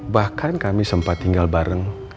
bahkan kami sempat tinggal bareng